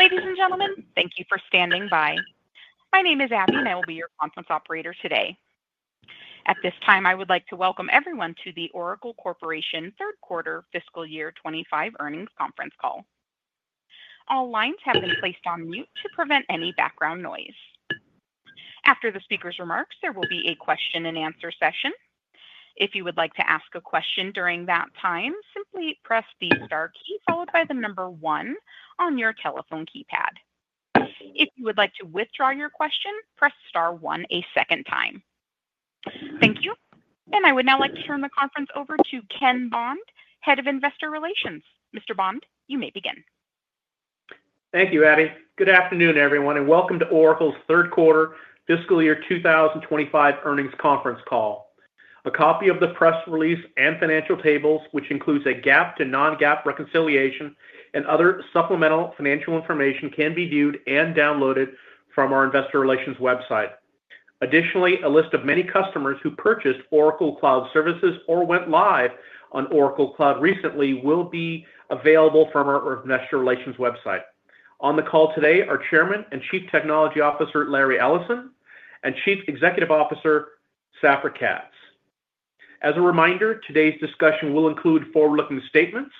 Ladies and gentlemen, thank you for standing by. My name is Abby, and I will be your conference operator today. At this time, I would like to welcome everyone to the Oracle Corporation Third Quarter Fiscal Year 2025 Earnings Conference Call. All lines have been placed on mute to prevent any background noise. After the speaker's remarks, there will be a question and answer session. If you would like to ask a question during that time, simply press the star key followed by the number one on your telephone keypad. If you would like to withdraw your question, press star one a second time. Thank you. I would now like to turn the conference over to Ken Bond, Head of Investor Relations. Mr. Bond, you may begin. Thank you, Abby. Good afternoon, everyone, and welcome to Oracle's third quarter fiscal year 2025 earnings conference call. A copy of the press release and financial tables, which includes a GAAP to non-GAAP reconciliation and other supplemental financial information, can be viewed and downloaded from our Investor Relations website. Additionally, a list of many customers who purchased Oracle Cloud services or went live on Oracle Cloud recently will be available from our Investor Relations website. On the call today are Chairman and Chief Technology Officer Larry Ellison and Chief Executive Officer Safra Catz. As a reminder, today's discussion will include forward-looking statements,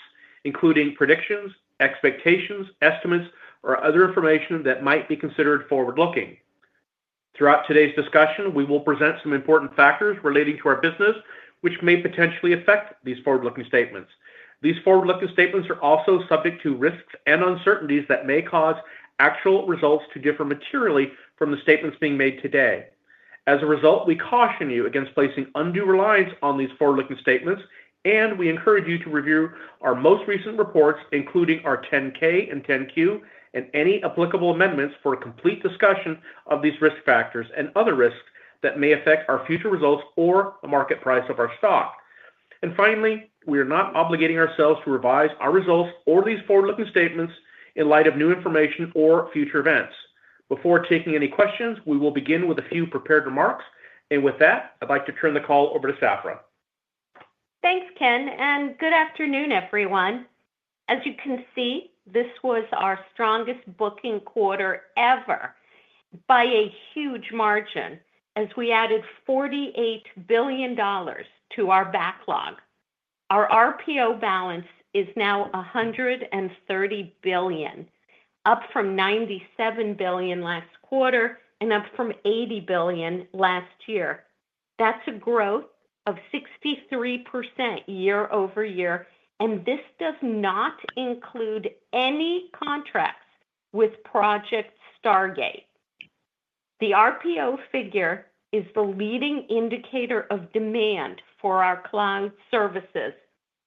including predictions, expectations, estimates, or other information that might be considered forward-looking. Throughout today's discussion, we will present some important factors relating to our business, which may potentially affect these forward-looking statements. These forward-looking statements are also subject to risks and uncertainties that may cause actual results to differ materially from the statements being made today. As a result, we caution you against placing undue reliance on these forward-looking statements, and we encourage you to review our most recent reports, including our 10-K and 10-Q, and any applicable amendments for a complete discussion of these risk factors and other risks that may affect our future results or the market price of our stock. Finally, we are not obligating ourselves to revise our results or these forward-looking statements in light of new information or future events. Before taking any questions, we will begin with a few prepared remarks. With that, I'd like to turn the call over to Safra. Thanks, Ken. Good afternoon, everyone. As you can see, this was our strongest booking quarter ever by a huge margin, as we added $48 billion to our backlog. Our RPO balance is now $130 billion, up from $97 billion last quarter and up from $80 billion last year. That is a growth of 63% year-over-year. This does not include any contracts with Project Stargate. The RPO figure is the leading indicator of demand for our cloud services,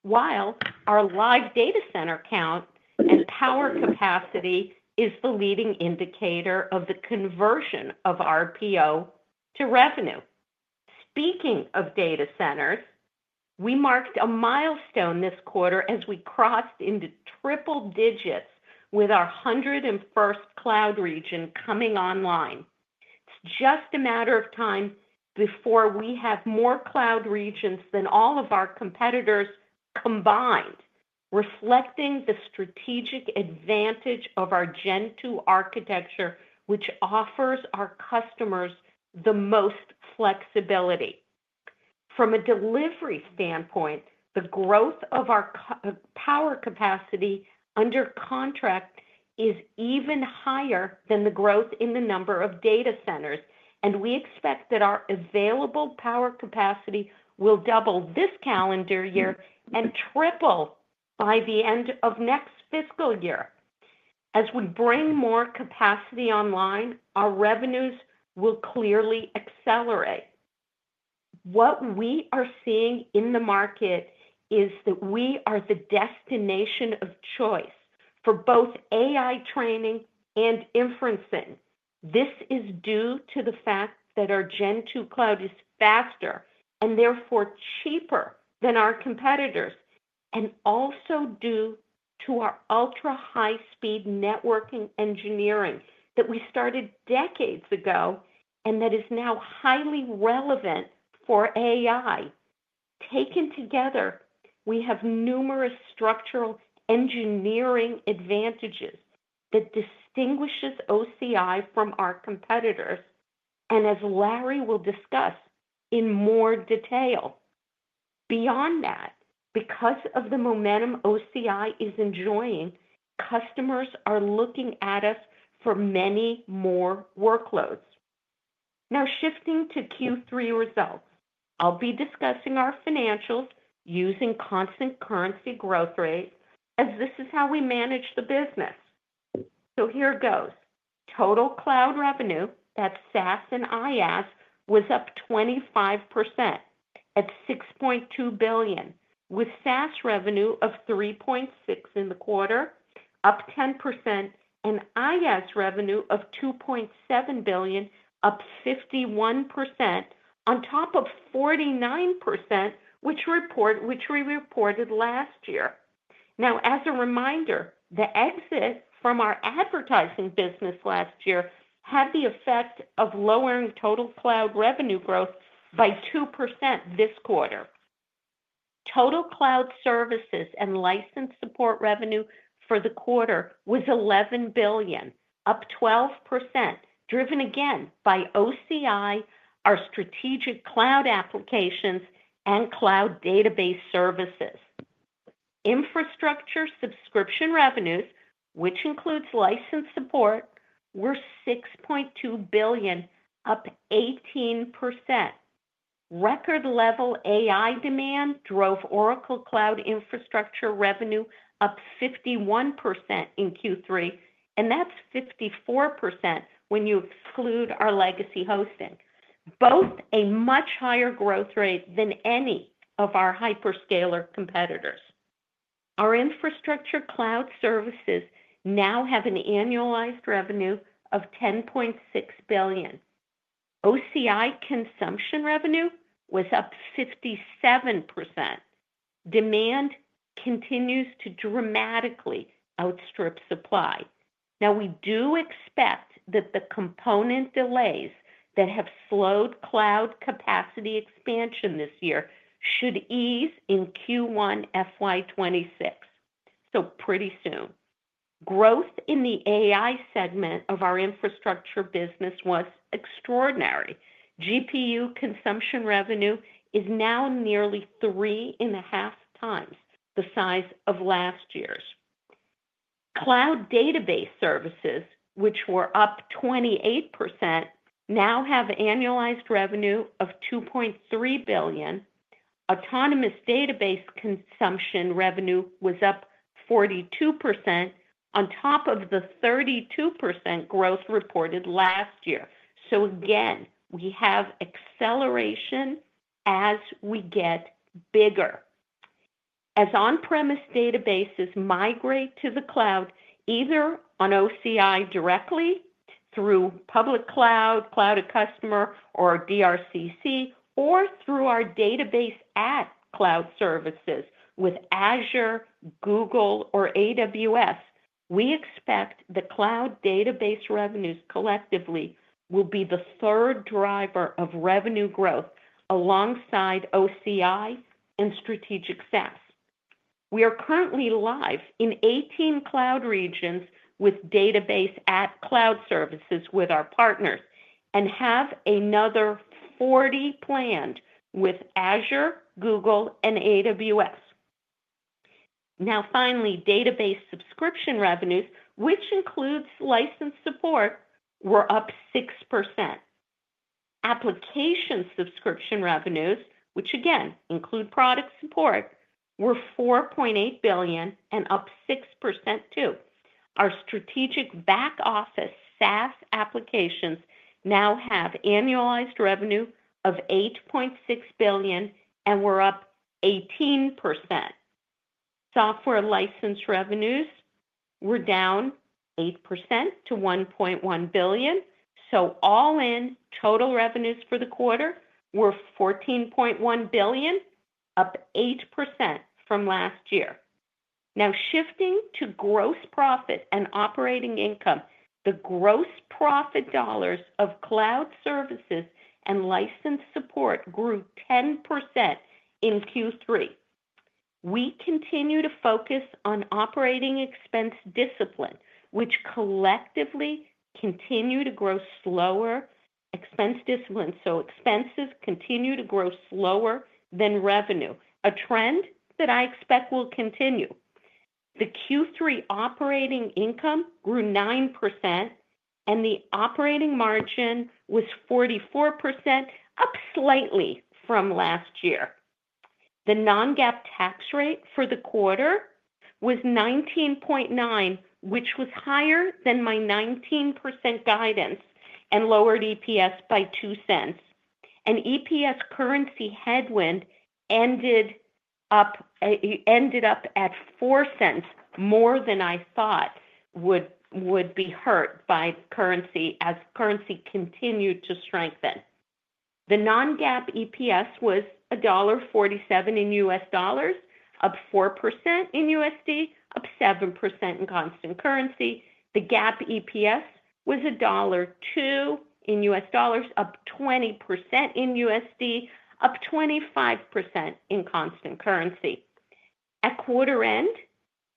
while our live data center count and power capacity is the leading indicator of the conversion of RPO to revenue. Speaking of data centers, we marked a milestone this quarter as we crossed into triple digits with our 101st cloud region coming online. It's just a matter of time before we have more cloud regions than all of our competitors combined, reflecting the strategic advantage of our Gen 2 architecture, which offers our customers the most flexibility. From a delivery standpoint, the growth of our power capacity under contract is even higher than the growth in the number of data centers. We expect that our available power capacity will double this calendar year and triple by the end of next fiscal year. As we bring more capacity online, our revenues will clearly accelerate. What we are seeing in the market is that we are the destination of choice for both AI training and inferencing. This is due to the fact that our Gen 2 cloud is faster and therefore cheaper than our competitors, and also due to our ultra-high-speed networking engineering that we started decades ago and that is now highly relevant for AI. Taken together, we have numerous structural engineering advantages that distinguish OCI from our competitors, and as Larry will discuss in more detail. Beyond that, because of the momentum OCI is enjoying, customers are looking at us for many more workloads. Now, shifting to Q3 results, I'll be discussing our financials using constant currency growth rates, as this is how we manage the business. Here it goes. Total cloud revenue at SaaS and IaaS was up 25% at $6.2 billion, with SaaS revenue of $3.6 billion in the quarter, up 10%, and IaaS revenue of $2.7 billion, up 51%, on top of 49%, which we reported last year. As a reminder, the exit from our advertising business last year had the effect of lowering total cloud revenue growth by 2% this quarter. Total cloud services and license support revenue for the quarter was $11 billion, up 12%, driven again by OCI, our strategic cloud applications, and cloud database services. Infrastructure subscription revenues, which includes license support, were $6.2 billion, up 18%. Record-level AI demand drove Oracle Cloud Infrastructure revenue up 51% in Q3, and that's 54% when you exclude our legacy hosting. Both a much higher growth rate than any of our hyperscaler competitors. Our infrastructure cloud services now have an annualized revenue of $10.6 billion. OCI consumption revenue was up 57%. Demand continues to dramatically outstrip supply. Now, we do expect that the component delays that have slowed cloud capacity expansion this year should ease in Q1 FY 2026, so pretty soon. Growth in the AI segment of our infrastructure business was extraordinary. GPU consumption revenue is now nearly 3.5x the size of last year's. Cloud database services, which were up 28%, now have annualized revenue of $2.3 billion. Autonomous Database consumption revenue was up 42%, on top of the 32% growth reported last year. Again, we have acceleration as we get bigger. As on-premise databases migrate to the cloud, either on OCI directly through public cloud, Cloud@Customer, or DRCC, or through our Database@ cloud services with Azure, Google, or AWS, we expect that cloud database revenues collectively will be the third driver of revenue growth alongside OCI and strategic SaaS. We are currently live in 18 cloud regions with Database@ cloud services with our partners and have another 40 planned with Azure, Google, and AWS. Finally, database subscription revenues, which includes license support, were up 6%. Application subscription revenues, which again include product support, were $4.8 billion and up 6%, too. Our strategic back office SaaS applications now have annualized revenue of $8.6 billion and were up 18%. Software license revenues were down 8% to $1.1 billion. All in, total revenues for the quarter were $14.1 billion, up 8% from last year. Now, shifting to gross profit and operating income, the gross profit dollars of cloud services and license support grew 10% in Q3. We continue to focus on operating expense discipline, which collectively continued to grow slower. Expense discipline, so expenses continue to grow slower than revenue, a trend that I expect will continue. The Q3 operating income grew 9%, and the operating margin was 44%, up slightly from last year. The non-GAAP tax rate for the quarter was 19.9%, which was higher than my 19% guidance and lowered EPS by $0.02. EPS currency headwind ended up at $0.04, more than I thought would be hurt by currency as currency continued to strengthen. The non-GAAP EPS was $1.47 in US dollars, up 4% in USD, up 7% in constant currency. The GAAP EPS was $1.02 in US dollars, up 20% in USD, up 25% in constant currency. At quarter end,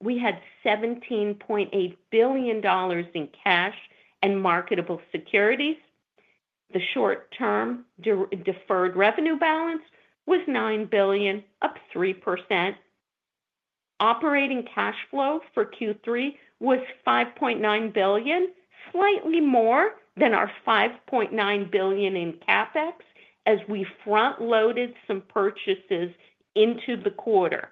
we had $17.8 billion in cash and marketable securities. The short-term deferred revenue balance was $9 billion, up 3%. Operating cash flow for Q3 was $5.9 billion, slightly more than our $5.9 billion in CapEx as we front-loaded some purchases into the quarter.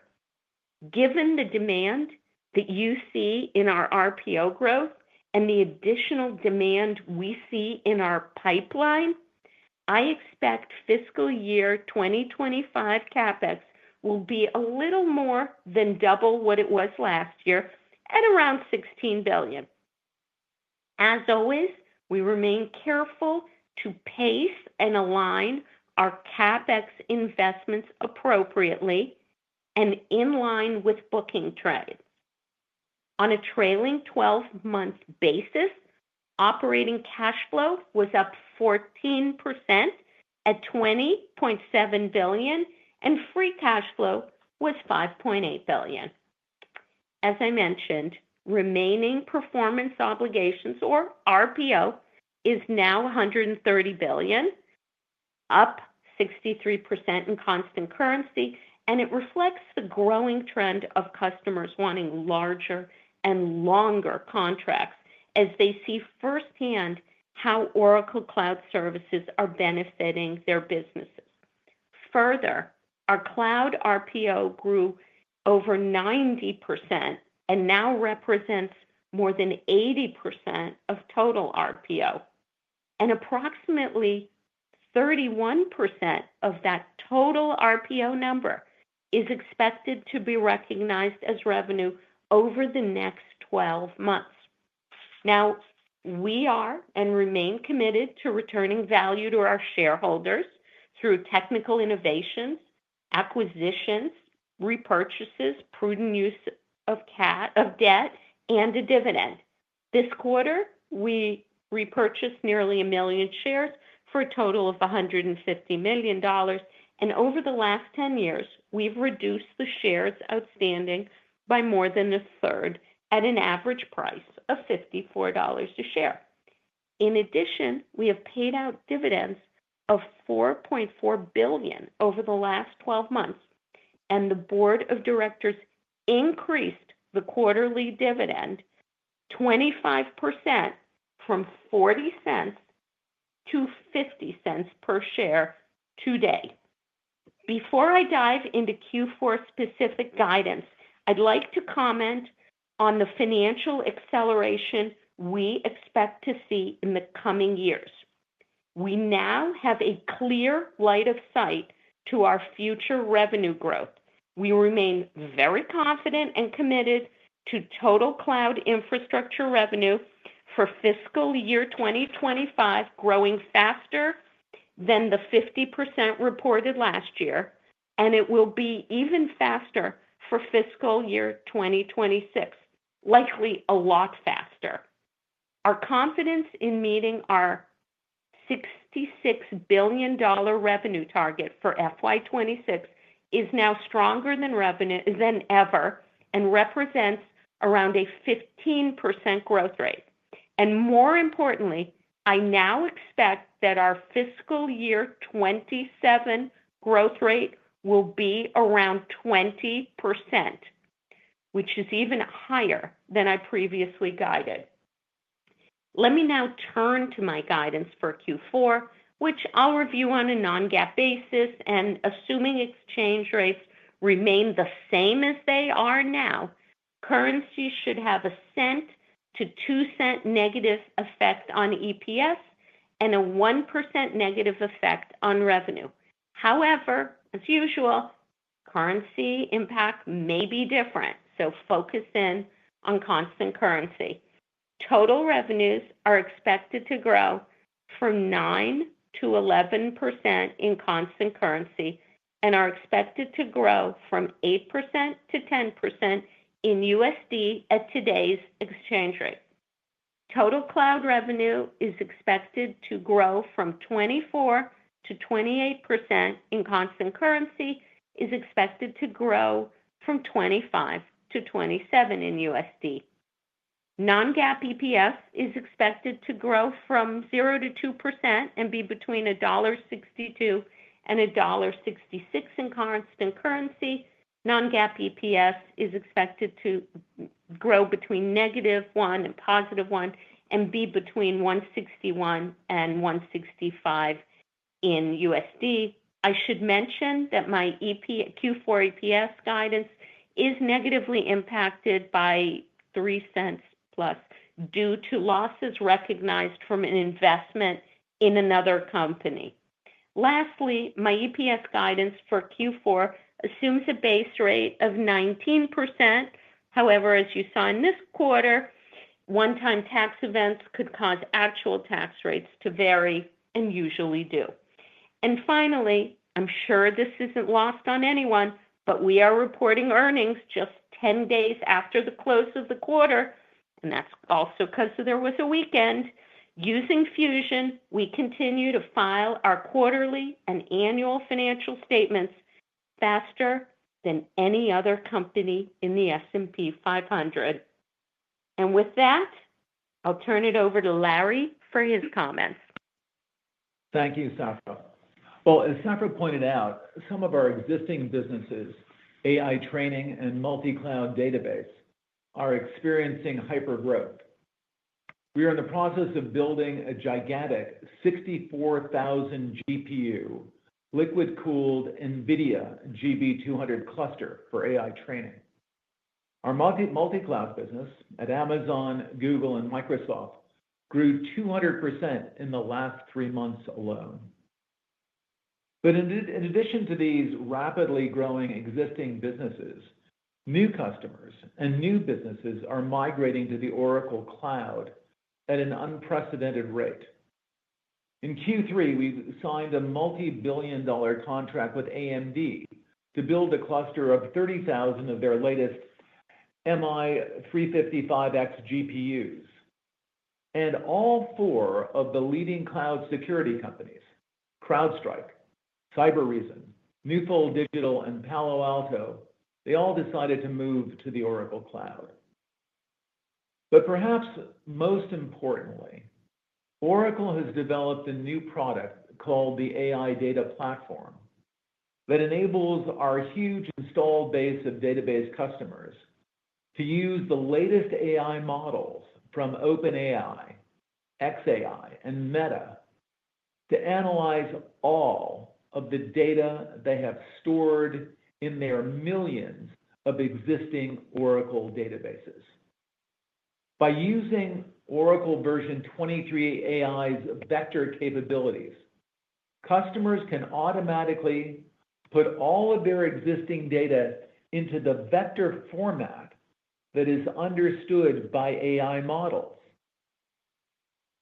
Given the demand that you see in our RPO growth and the additional demand we see in our pipeline, I expect fiscal year 2025 CapEx will be a little more than double what it was last year at around $16 billion. As always, we remain careful to pace and align our CapEx investments appropriately and in line with booking trades. On a trailing 12-month basis, operating cash flow was up 14% at $20.7 billion, and free cash flow was $5.8 billion. As I mentioned, remaining performance obligations, or RPO, is now $130 billion, up 63% in constant currency. It reflects the growing trend of customers wanting larger and longer contracts as they see firsthand how Oracle Cloud Services are benefiting their businesses. Further, our cloud RPO grew over 90% and now represents more than 80% of total RPO. Approximately 31% of that total RPO number is expected to be recognized as revenue over the next 12 months. We are and remain committed to returning value to our shareholders through technical innovations, acquisitions, repurchases, prudent use of debt, and a dividend. This quarter, we repurchased nearly a million shares for a total of $150 million. Over the last 10 years, we've reduced the shares outstanding by more than a third at an average price of $54 a share. In addition, we have paid out dividends of $4.4 billion over the last 12 months. The board of directors increased the quarterly dividend 25% from $0.40 to $0.50 per share today. Before I dive into Q4-specific guidance, I'd like to comment on the financial acceleration we expect to see in the coming years. We now have a clear line of sight to our future revenue growth. We remain very confident and committed to total cloud infrastructure revenue for fiscal year 2025 growing faster than the 50% reported last year, and it will be even faster for fiscal year 2026, likely a lot faster. Our confidence in meeting our $66 billion revenue target for FY 2026 is now stronger than ever and represents around a 15% growth rate. More importantly, I now expect that our fiscal year 2027 growth rate will be around 20%, which is even higher than I previously guided. Let me now turn to my guidance for Q4, which I'll review on a non-GAAP basis. Assuming exchange rates remain the same as they are now, currency should have a $0.01-$0.02 negative effect on EPS and a 1% negative effect on revenue. However, as usual, currency impact may be different, so focus in on constant currency. Total revenues are expected to grow from 9%-11% in constant currency and are expected to grow from 8%-10% in USD at today's exchange rate. Total cloud revenue is expected to grow from 24%-28% in constant currency and is expected to grow from 25%-27% in USD. Non-GAAP EPS is expected to grow from 0%-2% and be between $1.62 and $1.66 in constant currency. Non-GAAP EPS is expected to grow between -1% and +1% and be between $1.61 and $1.65 in USD. I should mention that my Q4 EPS guidance is negatively impacted by $0.03+ due to losses recognized from an investment in another company. Lastly, my EPS guidance for Q4 assumes a base rate of 19%. However, as you saw in this quarter, one-time tax events could cause actual tax rates to vary and usually do. Finally, I'm sure this isn't lost on anyone, but we are reporting earnings just 10 days after the close of the quarter, and that's also because there was a weekend. Using Fusion, we continue to file our quarterly and annual financial statements faster than any other company in the S&P 500. With that, I'll turn it over to Larry for his comments. Thank you, Safra. As Safra pointed out, some of our existing businesses, AI training and multicloud database, are experiencing hypergrowth. We are in the process of building a gigantic 64,000 GPU liquid-cooled NVIDIA GB200 cluster for AI training. Our multicloud business at Amazon, Google, and Microsoft grew 200% in the last three months alone. In addition to these rapidly growing existing businesses, new customers and new businesses are migrating to the Oracle Cloud at an unprecedented rate. In Q3, we signed a multi-billion dollar contract with AMD to build a cluster of 30,000 of their latest MI355X GPUs. All four of the leading cloud security companies, CrowdStrike, Cybereason, Newfold Digital, and Palo Alto, they all decided to move to the Oracle Cloud. Perhaps most importantly, Oracle has developed a new product called the AI Data Platform that enables our huge installed base of database customers to use the latest AI models from OpenAI, xAI, and Meta to analyze all of the data they have stored in their millions of existing Oracle databases. By using Oracle version 23ai's vector capabilities, customers can automatically put all of their existing data into the vector format that is understood by AI models.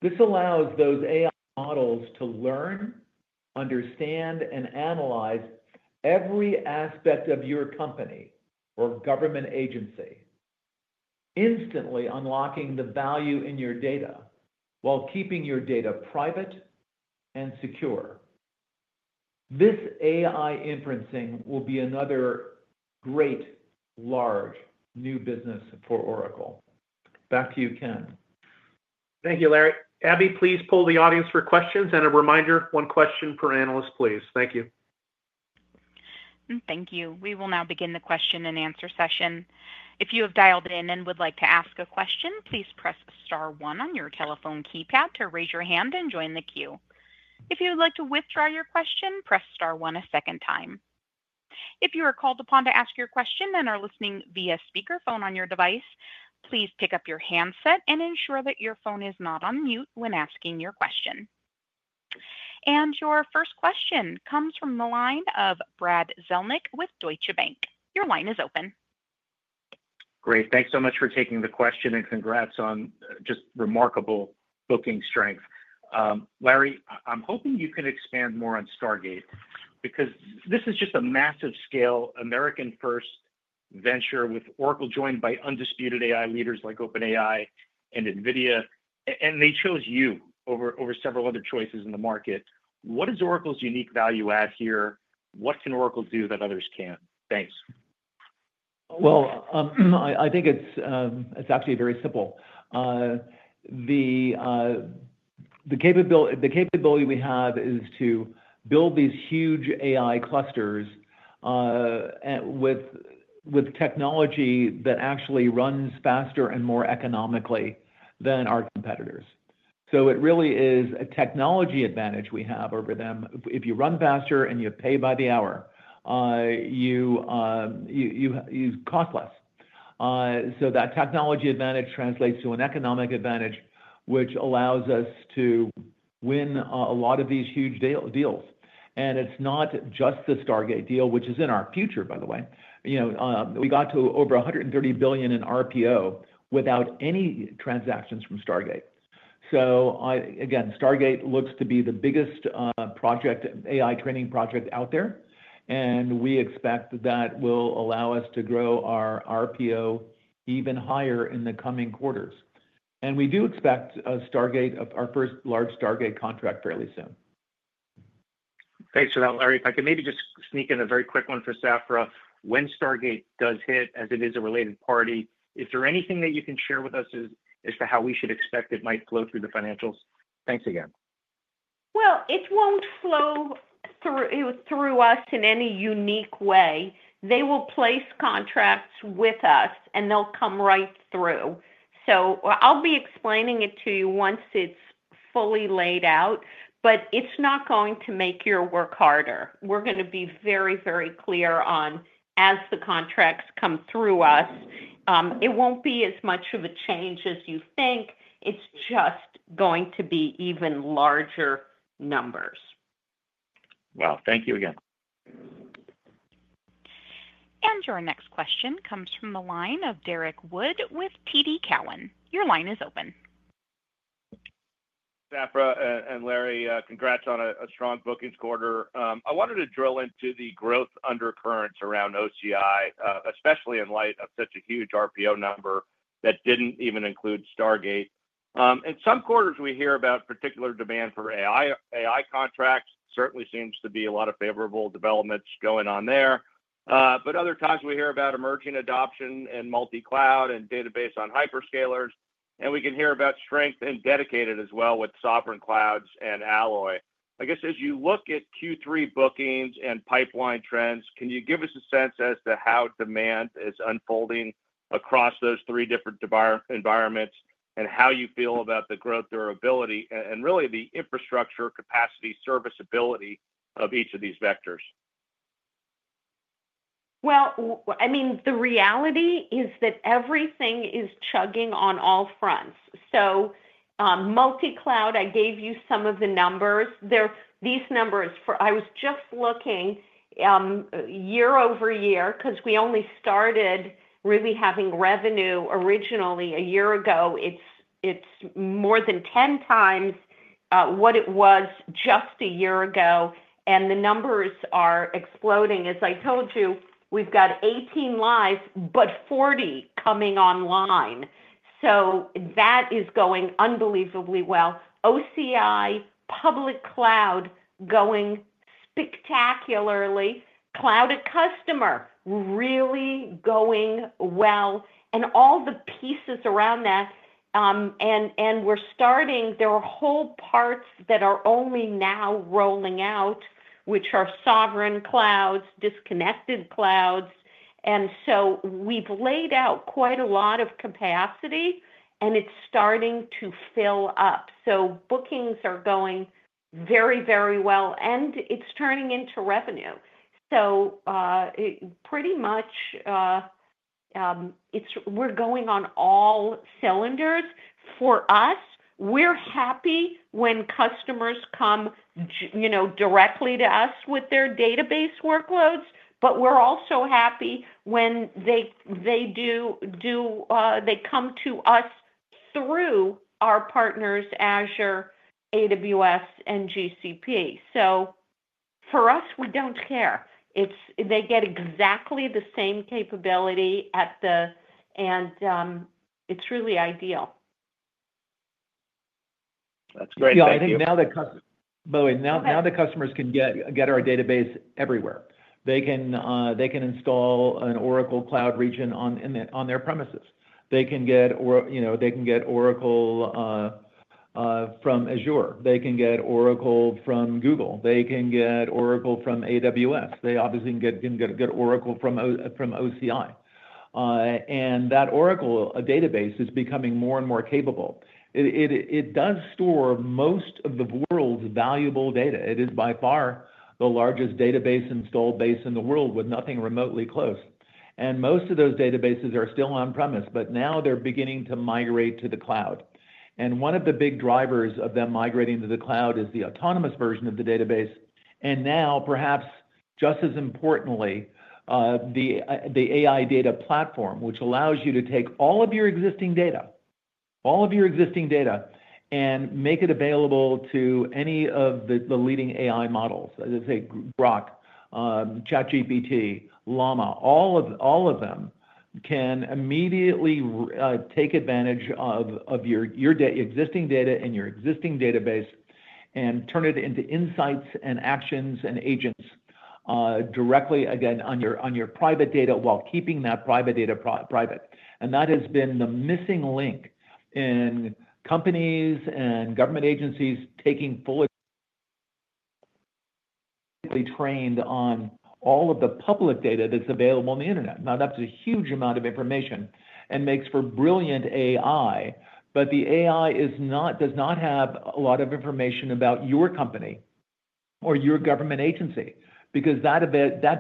This allows those AI models to learn, understand, and analyze every aspect of your company or government agency, instantly unlocking the value in your data while keeping your data private and secure. This AI inferencing will be another great large new business for Oracle. Back to you, Ken. Thank you, Larry. Abby, please poll the audience for questions. And a reminder, one question per analyst, please. Thank you. Thank you. We will now begin the question and answer session. If you have dialed in and would like to ask a question, please press star one on your telephone keypad to raise your hand and join the queue. If you would like to withdraw your question, press star one a second time. If you are called upon to ask your question and are listening via speakerphone on your device, please pick up your handset and ensure that your phone is not on mute when asking your question. Your first question comes from the line of Brad Zelnick with Deutsche Bank. Your line is open. Great. Thanks so much for taking the question and congrats on just remarkable booking strength. Larry, I'm hoping you can expand more on Stargate because this is just a massive scale American-first venture with Oracle joined by undisputed AI leaders like OpenAI and NVIDIA. They chose you over several other choices in the market. What is Oracle's unique value add here? What can Oracle do that others can't? Thanks. I think it's actually very simple. The capability we have is to build these huge AI clusters with technology that actually runs faster and more economically than our competitors. It really is a technology advantage we have over them. If you run faster and you pay by the hour, you cost less. That technology advantage translates to an economic advantage, which allows us to win a lot of these huge deals. It is not just the Stargate deal, which is in our future, by the way. We got to over $130 billion in RPO without any transactions from Stargate. Stargate looks to be the biggest project, AI training project out there. We expect that will allow us to grow our RPO even higher in the coming quarters. We do expect our first large Stargate contract fairly soon. Thanks for that, Larry. If I could maybe just sneak in a very quick one for Safra. When Stargate does hit, as it is a related party, is there anything that you can share with us as to how we should expect it might flow through the financials? Thanks again. It won't flow through us in any unique way. They will place contracts with us, and they'll come right through. I'll be explaining it to you once it's fully laid out, but it's not going to make your work harder. We're going to be very, very clear on as the contracts come through us. It won't be as much of a change as you think. It's just going to be even larger numbers. Thank you again. Your next question comes from the line of Derek Wood with TD Cowen. Your line is open. Safra and Larry, congrats on a strong booking quarter. I wanted to drill into the growth undercurrents around OCI, especially in light of such a huge RPO number that did not even include Stargate. In some quarters, we hear about particular demand for AI contracts. Certainly seems to be a lot of favorable developments going on there. Other times, we hear about emerging adoption and multicloud and database on hyperscalers. We can hear about strength and dedicated as well with Sovereign Clouds and Alloy. I guess as you look at Q3 bookings and pipeline trends, can you give us a sense as to how demand is unfolding across those three different environments and how you feel about the growth durability and really the infrastructure capacity serviceability of each of these vectors? I mean, the reality is that everything is chugging on all fronts. Multicloud, I gave you some of the numbers. These numbers, I was just looking year over year because we only started really having revenue originally a year ago. It is more than 10x what it was just a year ago. The numbers are exploding. As I told you, we have 18 live, but 40 coming online. That is going unbelievably well. OCI, public cloud going spectacularly, Cloud@Customer really going well. All the pieces around that. We are starting, there are whole parts that are only now rolling out, which are sovereign clouds, disconnected clouds. We have laid out quite a lot of capacity, and it is starting to fill up. Bookings are going very, very well, and it is turning into revenue. Pretty much we are going on all cylinders. For us, we're happy when customers come directly to us with their database workloads, but we're also happy when they come to us through our partners, Azure, AWS, and GCP. For us, we don't care. They get exactly the same capability at the end. It's really ideal. That's great. I think now that, by the way, now the customers can get our database everywhere. They can install an Oracle Cloud region on their premises. They can get Oracle from Azure. They can get Oracle from Google. They can get Oracle from AWS. They obviously can get Oracle from OCI. That Oracle database is becoming more and more capable. It does store most of the world's valuable data. It is by far the largest database installed base in the world with nothing remotely close. Most of those databases are still on-premise, but now they're beginning to migrate to the cloud. One of the big drivers of them migrating to the cloud is the autonomous version of the database. Now, perhaps just as importantly, the AI data platform, which allows you to take all of your existing data, all of your existing data, and make it available to any of the leading AI models. As I say, Grok, ChatGPT, Llama, all of them can immediately take advantage of your existing data and your existing database and turn it into insights and actions and agents directly, again, on your private data while keeping that private data private. That has been the missing link in companies and government agencies taking fully trained on all of the public data that's available on the internet. Now, that's a huge amount of information and makes for brilliant AI, but the AI does not have a lot of information about your company or your government agency because that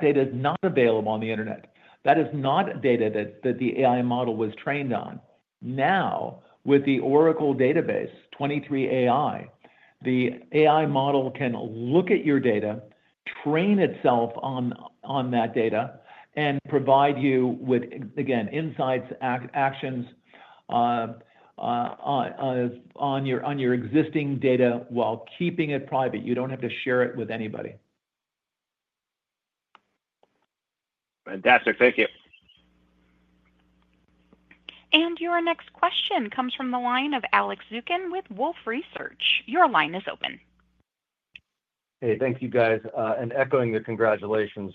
data is not available on the internet. That is not data that the AI model was trained on. Now, with the Oracle Database 23AI, the AI model can look at your data, train itself on that data, and provide you with, again, insights, actions on your existing data while keeping it private. You do not have to share it with anybody. Fantastic. Thank you. Your next question comes from the line of Alex Zukin with Wolf Research. Your line is open. Hey, thank you, guys. Echoing your congratulations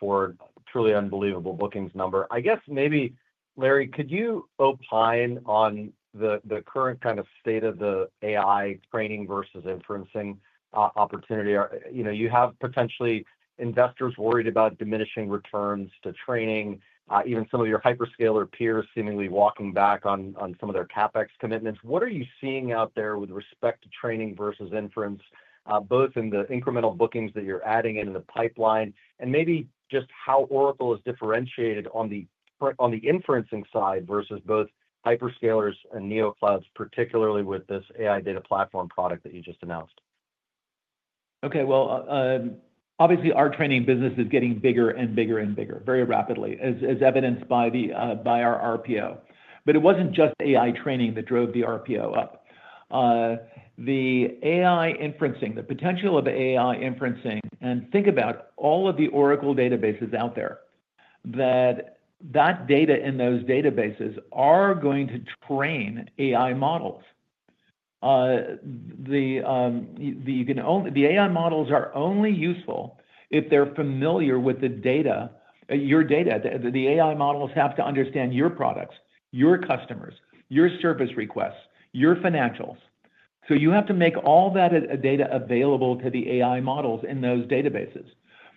for a truly unbelievable bookings number. I guess maybe, Larry, could you opine on the current kind of state of the AI training versus inferencing opportunity? You have potentially investors worried about diminishing returns to training, even some of your hyperscaler peers seemingly walking back on some of their CapEx commitments. What are you seeing out there with respect to training versus inference, both in the incremental bookings that you're adding into the pipeline and maybe just how Oracle is differentiated on the inferencing side versus both hyperscalers and neoclouds, particularly with this AI Data Platform product that you just announced? Okay. Obviously, our training business is getting bigger and bigger and bigger very rapidly, as evidenced by our RPO. It was not just AI training that drove the RPO up. The AI inferencing, the potential of AI inferencing, and think about all of the Oracle databases out there, that data in those databases are going to train AI models. The AI models are only useful if they're familiar with your data. The AI models have to understand your products, your customers, your service requests, your financials. You have to make all that data available to the AI models in those databases.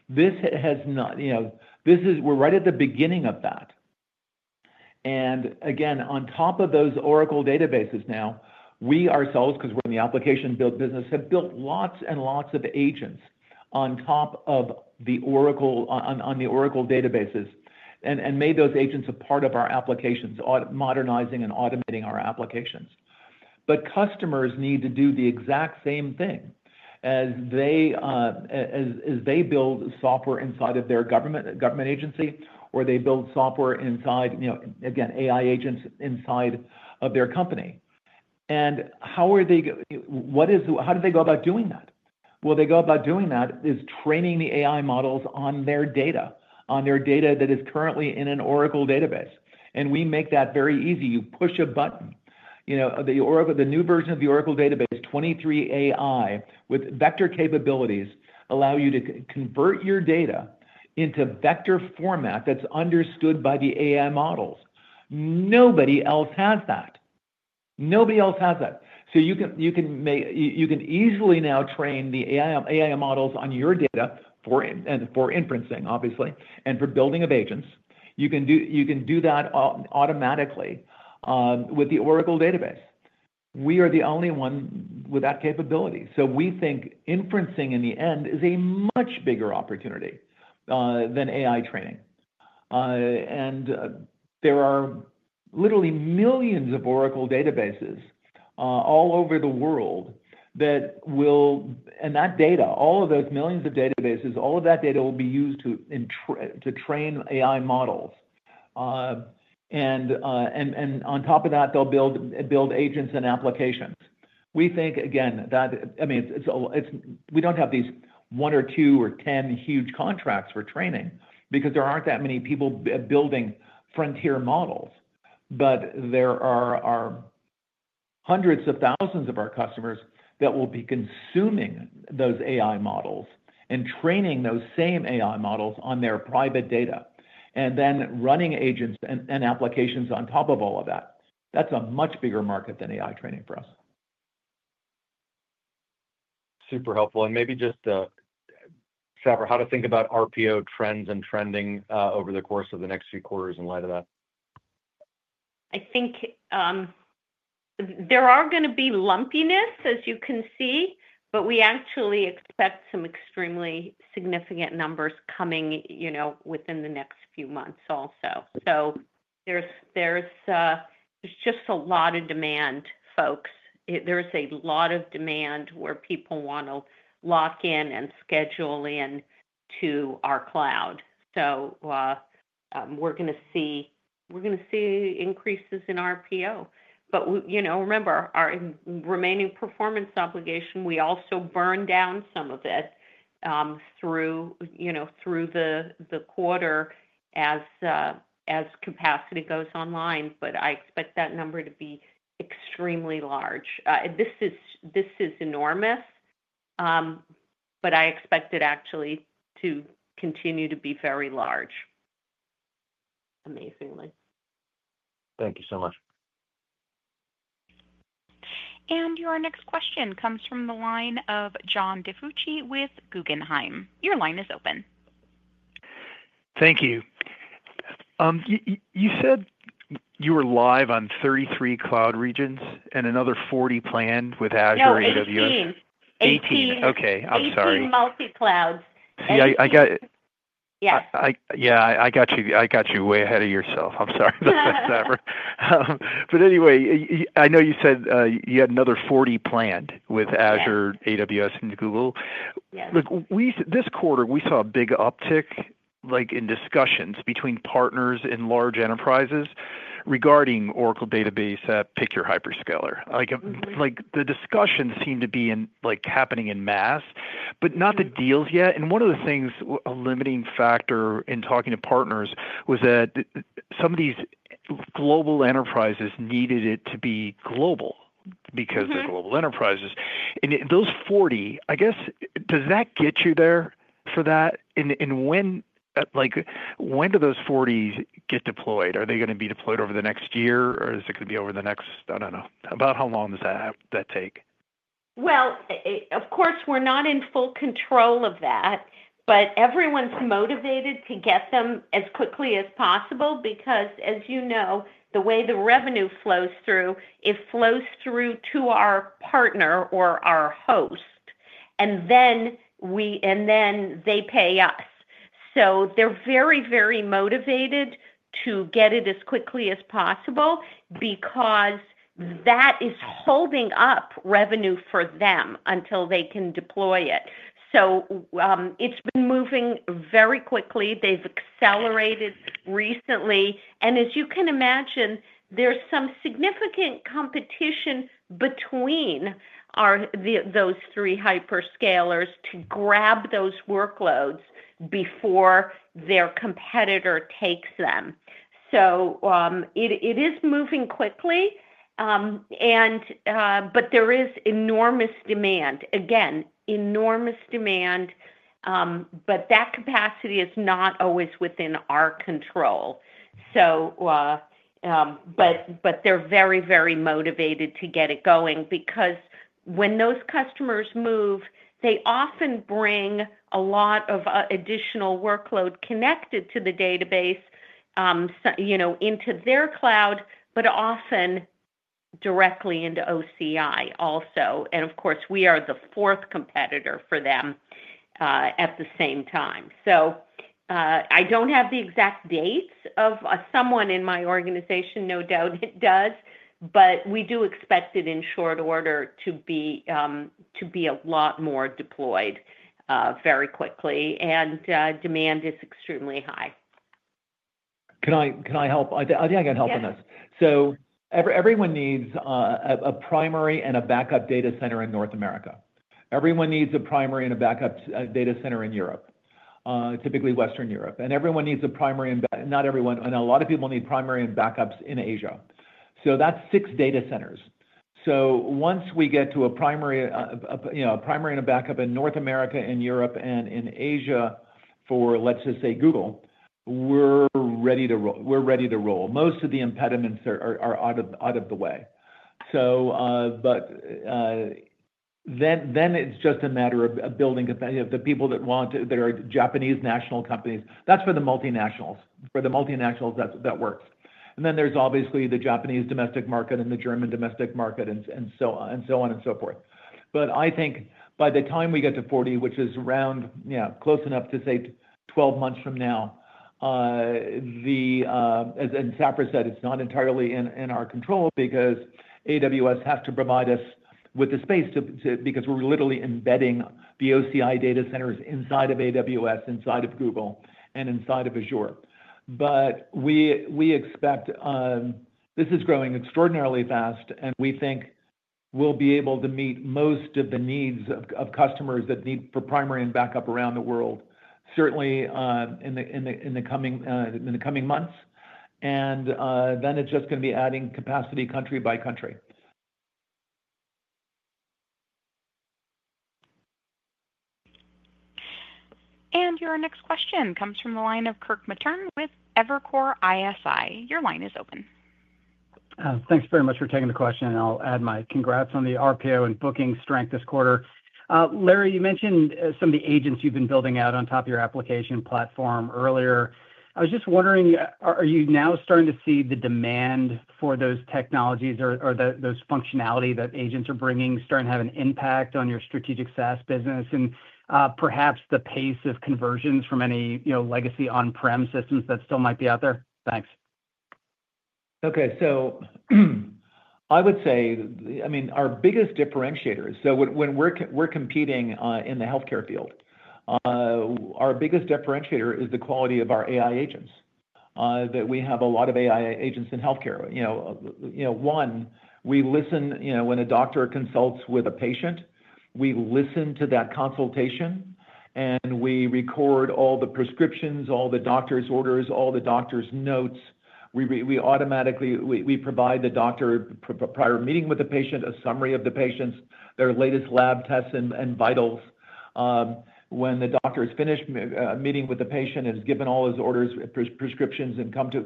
This is, we are right at the beginning of that. Again, on top of those Oracle databases now, we ourselves, because we are in the application-built business, have built lots and lots of agents on top of the Oracle databases and made those agents a part of our applications, modernizing and automating our applications. Customers need to do the exact same thing as they build software inside of their government agency or they build software, again, AI agents inside of their company. How are they going to, how do they go about doing that? They go about doing that is training the AI models on their data, on their data that is currently in an Oracle database. We make that very easy. You push a button. The new version of the Oracle database, 23AI, with vector capabilities, allows you to convert your data into vector format that's understood by the AI models. Nobody else has that. Nobody else has that. You can easily now train the AI models on your data for inferencing, obviously, and for building of agents. You can do that automatically with the Oracle database. We are the only one with that capability. We think inferencing in the end is a much bigger opportunity than AI training. There are literally millions of Oracle databases all over the world that will, and that data, all of those millions of databases, all of that data will be used to train AI models. On top of that, they'll build agents and applications. We think, again, that, I mean, we don't have these one or two or ten huge contracts for training because there aren't that many people building frontier models. There are hundreds of thousands of our customers that will be consuming those AI models and training those same AI models on their private data and then running agents and applications on top of all of that. That's a much bigger market than AI training for us. Super helpful. Maybe just, Safra, how to think about RPO trends and trending over the course of the next few quarters in light of that. I think there are going to be lumpiness, as you can see, but we actually expect some extremely significant numbers coming within the next few months also. There is just a lot of demand, folks. There is a lot of demand where people want to lock in and schedule in to our cloud. We are going to see increases in RPO. Remember, our remaining performance obligation, we also burn down some of it through the quarter as capacity goes online. I expect that number to be extremely large. This is enormous, but I expect it actually to continue to be very large, amazingly. Thank you so much. Your next question comes from the line of John DiFucci with Guggenheim. Your line is open. Thank you. You said you were live on 33 cloud regions and another 40 planned with Azure AWS. 18. 18. Okay. I am sorry. 18 multiclouds. Yeah. I got you way ahead of yourself. I'm sorry about that, Safra. Anyway, I know you said you had another 40 planned with Azure, AWS, and Google. This quarter, we saw a big uptick in discussions between partners and large enterprises regarding Oracle database at Pick Your Hyperscaler. The discussions seem to be happening in mass, but not the deals yet. One of the things, a limiting factor in talking to partners, was that some of these global enterprises needed it to be global because they're global enterprises. Those 40, I guess, does that get you there for that? When do those 40s get deployed? Are they going to be deployed over the next year, or is it going to be over the next I don't know. About how long does that take? Of course, we're not in full control of that, but everyone's motivated to get them as quickly as possible because, as you know, the way the revenue flows through, it flows through to our partner or our host, and then they pay us. They are very, very motivated to get it as quickly as possible because that is holding up revenue for them until they can deploy it. It has been moving very quickly. They have accelerated recently. As you can imagine, there is some significant competition between those three hyperscalers to grab those workloads before their competitor takes them. It is moving quickly, but there is enormous demand. Again, enormous demand, but that capacity is not always within our control. They are very, very motivated to get it going because when those customers move, they often bring a lot of additional workload connected to the database into their cloud, but often directly into OCI also. Of course, we are the fourth competitor for them at the same time. I do not have the exact dates, but someone in my organization no doubt does. We do expect it in short order to be a lot more deployed very quickly, and demand is extremely high. Can I help? I think I can help on this. Everyone needs a primary and a backup data center in North America. Everyone needs a primary and a backup data center in Europe, typically Western Europe. Everyone needs a primary, and not everyone, and a lot of people need primary and backups in Asia. That is six data centers. Once we get to a primary and a backup in North America and Europe and in Asia for, let's just say, Google, we're ready to roll. Most of the impediments are out of the way. It is just a matter of building the people that want to that are Japanese national companies. That is for the multinationals. For the multinationals, that works. There is obviously the Japanese domestic market and the German domestic market and so on and so forth. I think by the time we get to 40, which is around close enough to say 12 months from now, and Safra said it is not entirely in our control because AWS has to provide us with the space because we are literally embedding the OCI data centers inside of AWS, inside of Google, and inside of Azure. We expect this is growing extraordinarily fast, and we think we'll be able to meet most of the needs of customers that need for primary and backup around the world, certainly in the coming months. It is just going to be adding capacity country by country. Your next question comes from the line of Kirk Mattern with Evercore ISI. Your line is open. Thanks very much for taking the question, and I'll add my congrats on the RPO and booking strength this quarter. Larry, you mentioned some of the agents you've been building out on top of your application platform earlier. I was just wondering, are you now starting to see the demand for those technologies or those functionality that agents are bringing starting to have an impact on your strategic SaaS business and perhaps the pace of conversions from any legacy on-prem systems that still might be out there? Thanks. Okay. I would say, I mean, our biggest differentiator is when we're competing in the healthcare field, our biggest differentiator is the quality of our AI agents, that we have a lot of AI agents in healthcare. One, we listen when a doctor consults with a patient, we listen to that consultation, and we record all the prescriptions, all the doctor's orders, all the doctor's notes. We automatically provide the doctor, prior meeting with the patient, a summary of the patient's, their latest lab tests and vitals. When the doctor is finished meeting with the patient and has given all his orders, prescriptions, and come to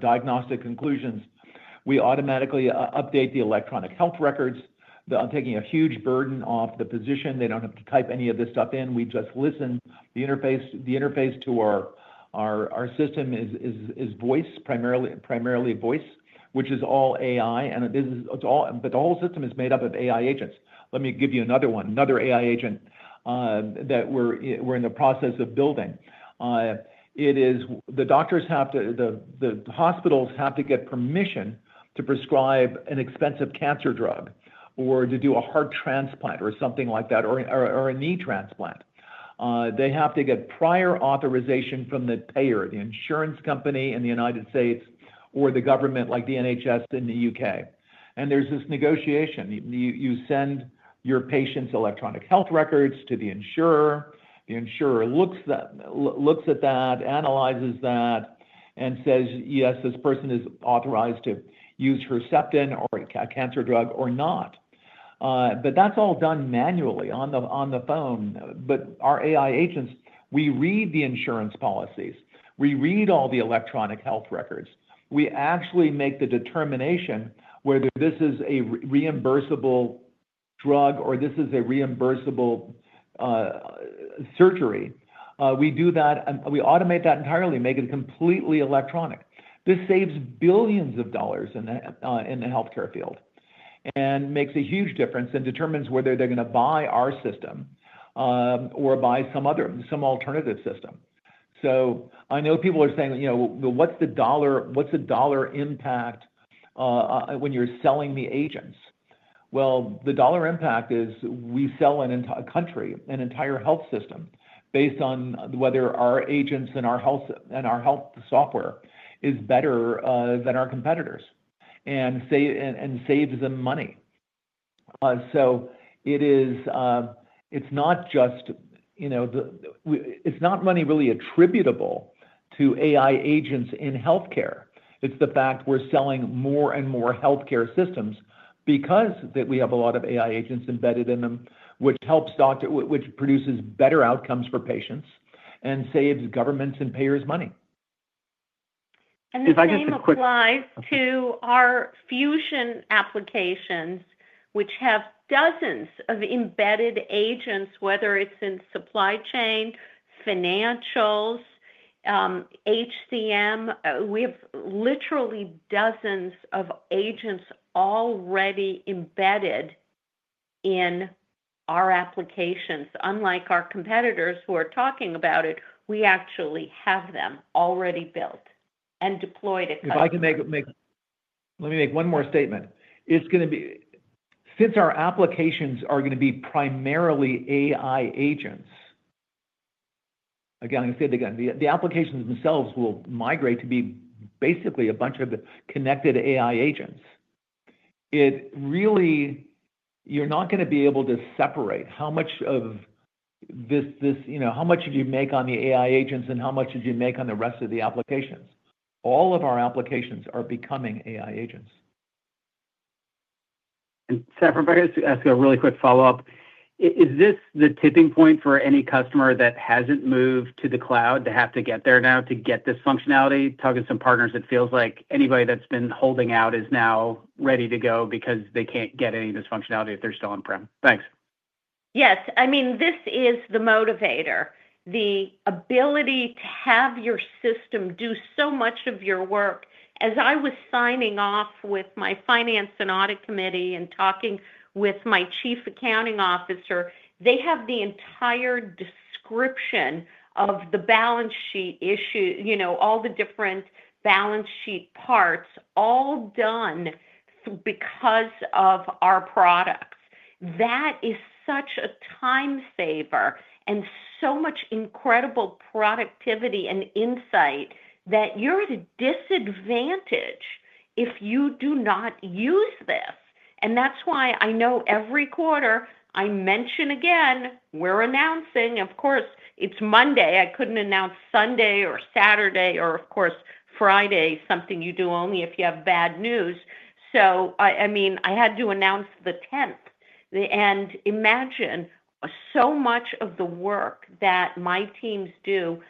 diagnostic conclusions, we automatically update the electronic health records. They're taking a huge burden off the physician. They don't have to type any of this stuff in. We just listen. The interface to our system is primarily voice, which is all AI. The whole system is made up of AI agents. Let me give you another one, another AI agent that we're in the process of building. The doctors have to, the hospitals have to get permission to prescribe an expensive cancer drug or to do a heart transplant or something like that or a knee transplant. They have to get prior authorization from the payer, the insurance company in the United States or the government, like the NHS in the U.K. There is this negotiation. You send your patient's electronic health records to the insurer. The insurer looks at that, analyzes that, and says, "Yes, this person is authorized to use Herceptin or a cancer drug or not." That is all done manually on the phone. Our AI agents, we read the insurance policies. We read all the electronic health records. We actually make the determination whether this is a reimbursable drug or this is a reimbursable surgery. We do that. We automate that entirely, make it completely electronic. This saves billions of dollars in the healthcare field and makes a huge difference and determines whether they're going to buy our system or buy some alternative system. I know people are saying, "Well, what's the dollar impact when you're selling the agents?" The dollar impact is we sell an entire country, an entire health system based on whether our agents and our health software is better than our competitors and saves them money. It's not just money really attributable to AI agents in healthcare. It's the fact we're selling more and more healthcare systems because we have a lot of AI agents embedded in them, which helps doctors, which produces better outcomes for patients and saves governments and payers money. This is applied to our Fusion applications, which have dozens of embedded agents, whether it's in supply chain, financials, HCM. We have literally dozens of agents already embedded in our applications. Unlike our competitors who are talking about it, we actually have them already built and deployed at customers. If I can make, let me make one more statement. It's going to be, since our applications are going to be primarily AI agents, again, I'm going to say it again, the applications themselves will migrate to be basically a bunch of connected AI agents. You're not going to be able to separate how much of this, how much did you make on the AI agents and how much did you make on the rest of the applications. All of our applications are becoming AI agents. Safra, I'm going to ask you a really quick follow-up. Is this the tipping point for any customer that hasn't moved to the cloud to have to get there now to get this functionality? Talking to some partners, it feels like anybody that's been holding out is now ready to go because they can't get any of this functionality if they're still on-prem. Thanks. Yes. I mean, this is the motivator, the ability to have your system do so much of your work. As I was signing off with my finance and audit committee and talking with my Chief Accounting Officer, they have the entire description of the balance sheet issue, all the different balance sheet parts, all done because of our products. That is such a time saver and so much incredible productivity and insight that you're at a disadvantage if you do not use this. That is why I know every quarter, I mention again, we're announcing. Of course, it's Monday. I could not announce Sunday or Saturday or, of course, Friday, something you do only if you have bad news. I mean, I had to announce the 10th. Imagine so much of the work that my teams do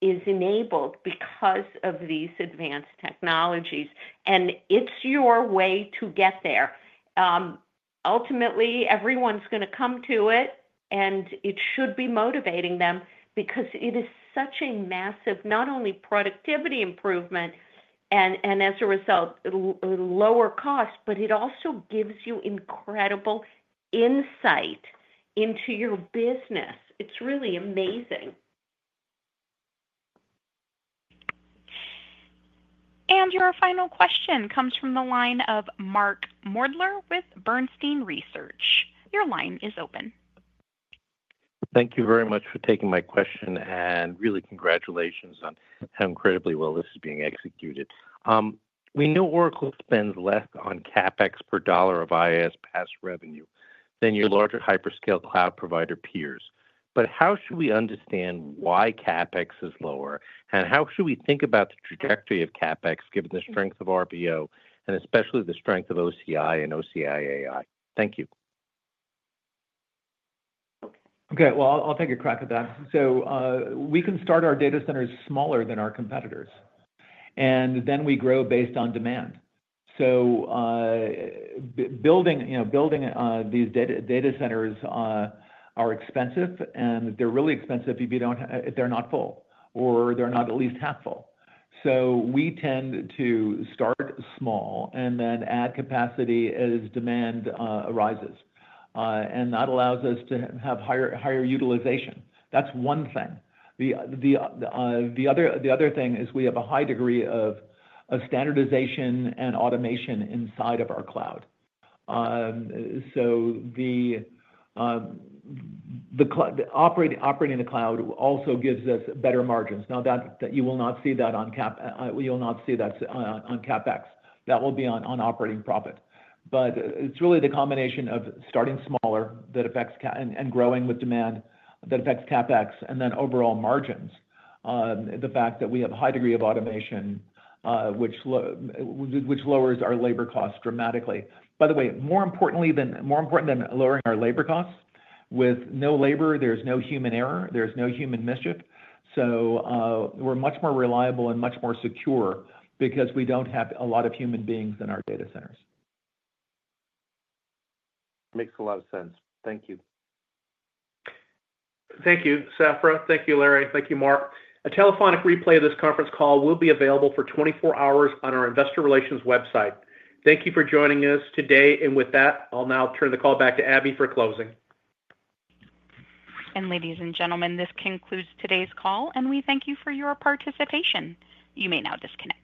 is enabled because of these advanced technologies. It's your way to get there. Ultimately, everyone's going to come to it, and it should be motivating them because it is such a massive, not only productivity improvement and as a result, lower cost, but it also gives you incredible insight into your business. It's really amazing. Your final question comes from the line of Mark Moerdler with Bernstein Research. Your line is open. Thank you very much for taking my question and really congratulations on how incredibly well this is being executed. We know Oracle spends less on CapEx per dollar of IaaS PaaS revenue than your larger hyperscale cloud provider peers. How should we understand why CapEx is lower? How should we think about the trajectory of CapEx given the strength of RPO and especially the strength of OCI and OCI AI? Thank you. Okay. I'll take a crack at that. We can start our data centers smaller than our competitors, and then we grow based on demand. Building these data centers is expensive, and they're really expensive if they're not full or they're not at least half full. We tend to start small and then add capacity as demand arises. That allows us to have higher utilization. That's one thing. The other thing is we have a high degree of standardization and automation inside of our cloud. Operating the cloud also gives us better margins. You will not see that on CapEx. You'll not see that on CapEx. That will be on operating profit. It's really the combination of starting smaller and growing with demand that affects CapEx and then overall margins, the fact that we have a high degree of automation, which lowers our labor costs dramatically. By the way, more important than lowering our labor costs, with no labor, there's no human error. There's no human mischief. So we're much more reliable and much more secure because we don't have a lot of human beings in our data centers. Makes a lot of sense. Thank you. Thank you, Safra. Thank you, Larry. Thank you, Mark. A telephonic replay of this conference call will be available for 24 hours on our investor relations website. Thank you for joining us today. With that, I'll now turn the call back to Abby for closing. Ladies and gentlemen, this concludes today's call, and we thank you for your participation. You may now disconnect.